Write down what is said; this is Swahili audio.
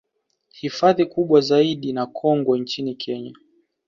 Hifadhi kubwa zaidi na kongwe nchini Kenya